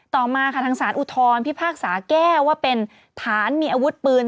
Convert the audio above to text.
ต่อมาค่ะทางสารอุทธรพิพากษาแก้วว่าเป็นฐานมีอาวุธปืน